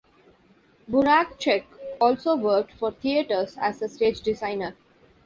Burachek also worked for theaters as a stage designer.